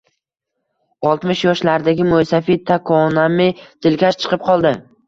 Oltmish yoshlardagi mo`ysafid Tokonami dilkash chiqib qoldi